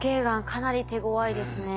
かなり手ごわいですね。